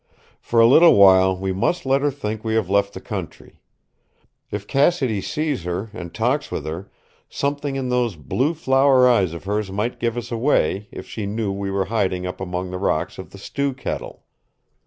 "For a little while we must let her think we have left the country. If Cassidy sees her, and talks with her, something in those blue flower eyes of hers might give us away if she knew we were hiding up among the rocks of the Stew Kettle.